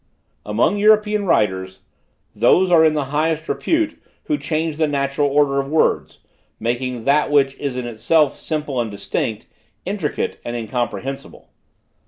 "Among European writers, those are in the highest repute, who change the natural order of words, making that which is in itself simple and distinct, intricate and incomprehensible.